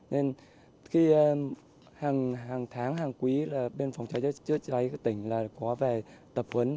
nhưng khi hàng tháng hàng quý là bên phòng cháy cháy chữa cháy tỉnh là có về tập huấn